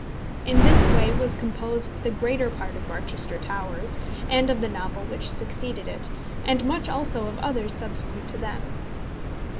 In this way was composed the greater part of Barchester Towers and of the novel which succeeded it, and much also of others subsequent to them.